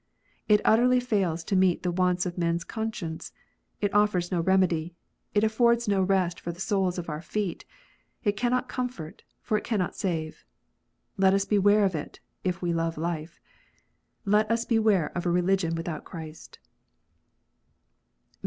It utterly fails to meet the wants of man s conscience : it offers no remedy ; it affords no rest for the soles of our feet ; it cannot comfort, for it cannot save. Let us beware of it, if we love life. Let us beiuare of a religion without Christ.